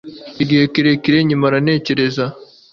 Igihe kirekire nkimara ntekereza